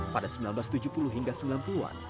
pada seribu sembilan ratus tujuh puluh hingga sembilan puluh an